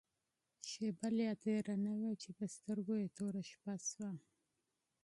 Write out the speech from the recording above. شېبه لا تېره نه وه چې په سترګو يې توره شپه شوه.